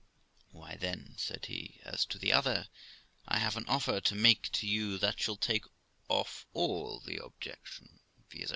'Why then', said he, 'as to the other, I have an offer to make to you that shall take off all the objection, viz.